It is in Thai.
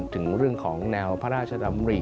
ถึงเรื่องของแนวพระราชดำริ